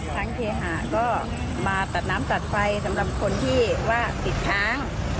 เคหาก็มาตัดน้ำตัดไฟสำหรับคนที่ว่าติดช้าง